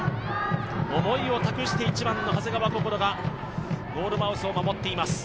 思いを託して１番の長谷川想がゴールハウスを守っています。